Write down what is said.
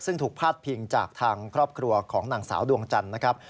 ซึ่งถูกพาดพิงจากทางครอบครัวของนางสาวดวงจันทร์นะครับ